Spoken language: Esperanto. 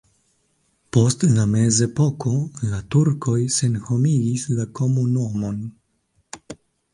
Post la mezepoko la turkoj senhomigis la komunumon.